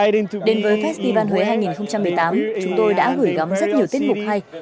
đến với festival huế hai nghìn một mươi tám chúng tôi đã gửi gắm rất nhiều tiết mục hay